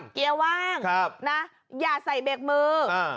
เกียร์ว่างนะอย่าใส่เบรกมือ